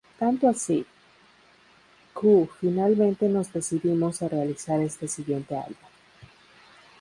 Tanto así, q finalmente nos decidimos a realizar este siguiente álbum.